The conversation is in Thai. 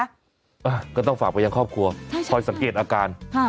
อ้าวก็ต้องฝากไปยังครอบครัวใช่ใช่พอสังเกตอาการฮะ